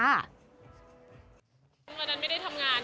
วันนั้นไม่ได้ทำงาน